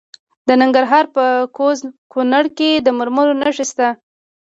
د ننګرهار په کوز کونړ کې د مرمرو نښې شته.